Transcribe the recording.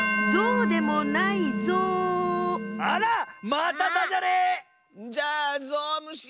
まただじゃれ！じゃあゾウムシ！